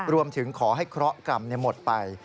รวมถึงขอให้เคราะหกรรมหมดไป